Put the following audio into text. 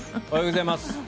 おはようございます。